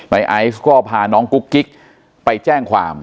ไอซ์ก็พาน้องกุ๊กกิ๊กไปแจ้งความ